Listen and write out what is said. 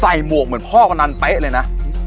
หมวกเหมือนพ่อกำนันเป๊ะเลยนะ